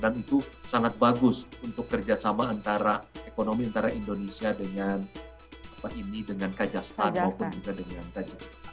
dan itu sangat bagus untuk kerjasama antara ekonomi indonesia dengan apa ini dengan kajastan maupun juga dengan kajetan